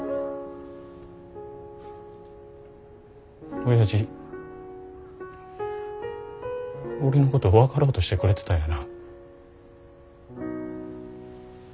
おやじ俺のこと分かろうとしてくれてたんやな。